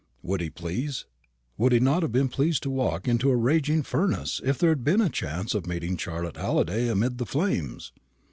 Would he please? Would he not have been pleased to walk into a raging furnace if there had been a chance of meeting Charlotte Halliday amid the flames?